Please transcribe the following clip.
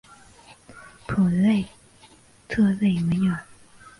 普雷特勒维尔。